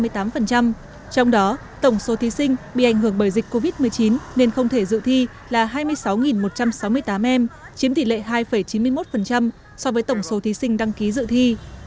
trong đó tổng số thí sinh bị ảnh hưởng bởi dịch covid một mươi chín nên không thể dự thi là hai mươi sáu một trăm sáu mươi tám em chiếm tỷ lệ hai chín mươi một so với tổng số thí sinh đăng ký dự thi